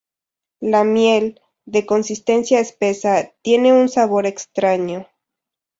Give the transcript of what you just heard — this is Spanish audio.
La miel, de consistencia espesa, tiene un sabor extraño.